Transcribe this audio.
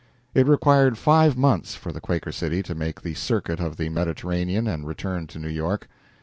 It required five months for the "Quaker City" to make the circuit of the Mediterranean and return to New York.